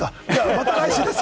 また来週です。